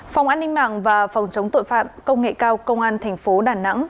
phòng an ninh mạng và phòng chống tội phạm công nghệ cao công an thành phố đà nẵng